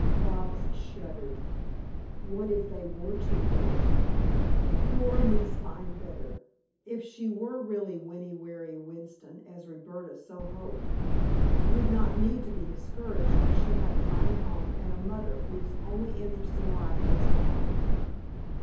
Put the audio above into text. Bobs shuddered. What if they were too late? Poor Miss Finefeather, if she were really Winnie Waring Winston, as Roberta so hoped, would not need be discouraged when she had a fine home and a mother whose only interest in life was to find her.